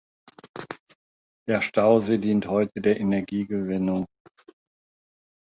Der Stausee dient heute der Energiegewinnung.